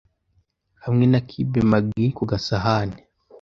hamwe na cube maggi ku gasahani.